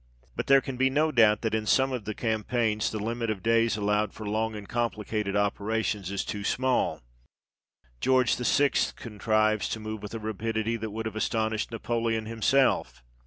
But there can be no doubt that in some of the campaigns the limit of days allowed for long and complicated operations is too small. George VI. contrives to move with a rapidity that would have astonished Napoleon himself.